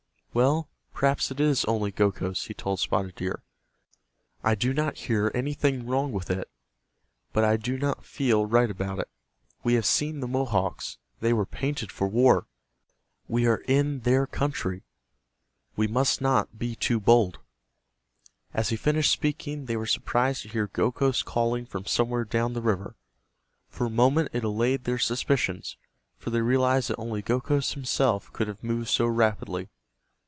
"Well, perhaps it is only Gokhos," he told Spotted Deer, "I do not hear anything wrong with it, but I do not feel right about it. We have seen the Mohawks. They were painted for war. We are in their country. We must not be too bold." As he finished speaking they were surprised to hear Gokhos calling from somewhere down the river. For a moment it allayed their suspicions, for they realized that only Gokhos himself could have moved so rapidly.